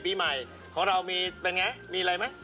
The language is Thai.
พอเรามีเป็นไงมีอะไรมั้ย